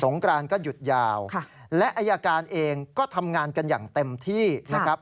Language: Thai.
กรานก็หยุดยาวและอายการเองก็ทำงานกันอย่างเต็มที่นะครับ